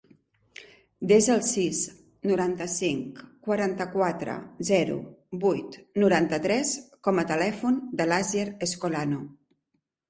Desa el sis, noranta-cinc, quaranta-quatre, zero, vuit, noranta-tres com a telèfon de l'Asier Escolano.